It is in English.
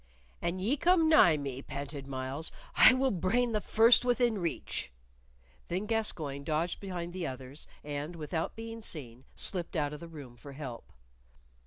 "An ye come nigh me," panted Myles, "I will brain the first within reach." Then Gascoyne dodged behind the others, and, without being seen, slipped out of the room for help.